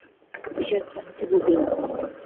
বিশদ জানতে গুগল করুন।